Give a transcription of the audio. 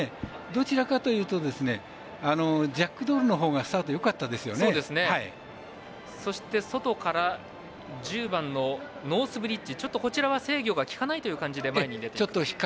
どちらかというとジャックドールのほうがそして外から１０番、ノースブリッジちょっと、こちらは制御が利かないという感じで前に出て。